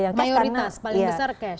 mayoritas paling besar cash